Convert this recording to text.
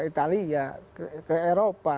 italia ke eropa